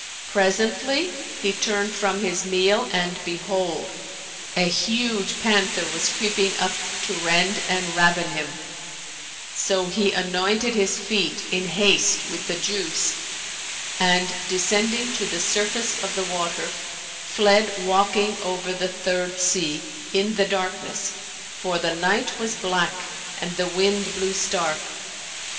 Presently, he turned from his meal and behold, a huge panther was creeping up to rend and ravin him; so he anointed his feet in haste with the juice and, descending to the surface of the water, fled walking over the Third Sea, in the darkness, for the night was black and the wind blew stark.